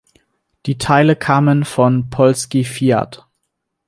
Die Teile kamen von Polski Fiat.